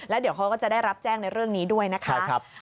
แล้วเดี๋ยวเขาก็จะได้รับแจ้งในเรื่องนี้ด้วยนะคะ